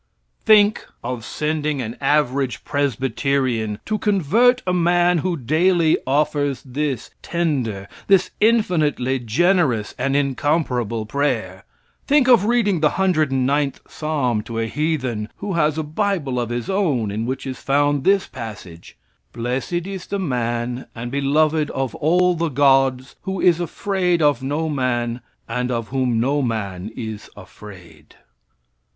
Think of sending an average Presbyterian to convert a man who daily offers this tender, this infinitely generous and incomparable prayer! Think of reading the 109th Psalm to a heathen who has a bible of his own, in which is found this passage: "Blessed is that man, and beloved of all the gods, who is afraid of no man, and of whom no man is afraid!"